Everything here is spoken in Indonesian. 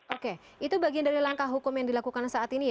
oke itu bagian dari langkah hukum yang dilakukan saat ini ya